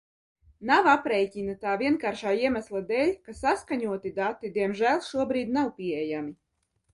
Nav aprēķina tā vienkāršā iemesla dēļ, ka saskaņoti dati diemžēl šobrīd nav pieejami.